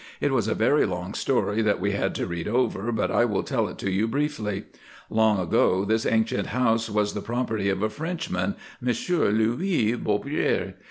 It was a very long story that we had to read over, but I will tell it to you briefly. Long ages ago this ancient house was the property of a Frenchman, Monsieur Louis Beaurepaire.